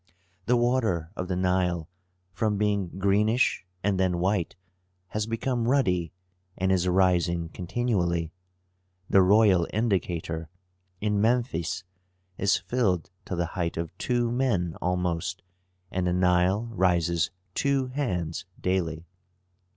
The water of the Nile, from being greenish and then white, has become ruddy and is rising continually. The royal indicator in Memphis is filled to the height of two men almost, and the Nile rises two hands daily.